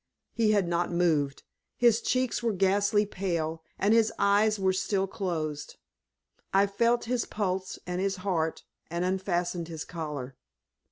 He had not moved. His cheeks were ghastly pale, and his eyes were still closed. I felt his pulse and his heart, and unfastened his collar.